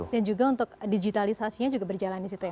dan juga untuk digitalisasinya juga berjalan di situ ya